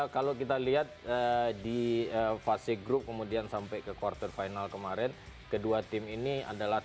kalau kita lihat di fase grup kemudian sampai ke quarter final kemarin kedua tim ini adalah